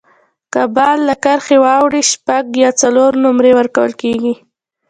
که بال له کرښي واوړي، شپږ یا څلور نومرې ورکول کیږي.